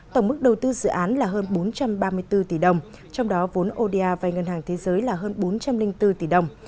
tổng mức đầu tư dự án là hơn bốn trăm ba mươi bốn tỷ đồng trong đó vốn oda và ngân hàng thế giới là hơn bốn trăm linh bốn tỷ đồng